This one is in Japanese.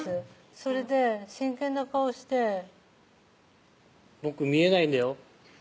それで真剣な顔して「僕見えないんだよ」